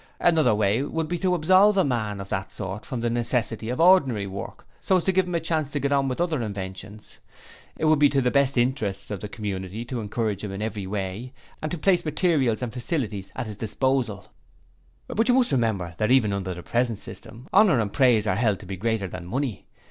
Another way would be to absolve a man of that sort from the necessity of ordinary work, so as to give him a chance to get on with other inventions. It would be to the interests of the community to encourage him in every way and to place materials and facilities at his disposal. 'But you must remember that even under the present system, Honour and Praise are held to be greater than money.